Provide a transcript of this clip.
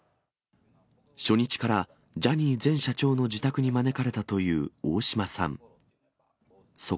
初日からジャニー前社長の自宅に招かれたという大島さん。